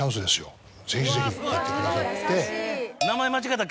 「ぜひぜひ」って言ってくださって。